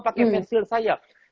pakai pensil saya